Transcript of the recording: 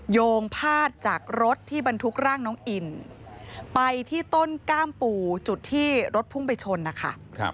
โยงพาดจากรถที่บรรทุกร่างน้องอินไปที่ต้นกล้ามปู่จุดที่รถพุ่งไปชนนะคะ